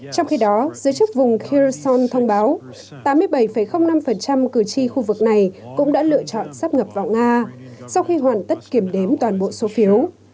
trong khi đó giới chức vùng kereon thông báo tám mươi bảy năm cử tri khu vực này cũng đã lựa chọn sắp nhập vào nga sau khi hoàn tất kiểm đếm toàn bộ số phiếu